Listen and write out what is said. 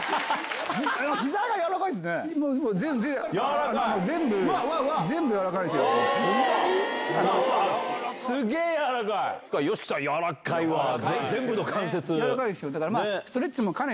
ひざが軟らかいですね。